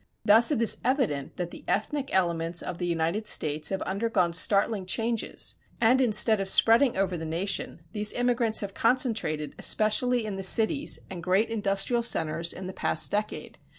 Thus it is evident that the ethnic elements of the United States have undergone startling changes; and instead of spreading over the nation these immigrants have concentrated especially in the cities and great industrial centers in the past decade.